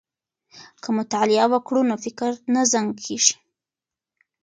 که مطالعه وکړو نو فکر نه زنګ کیږي.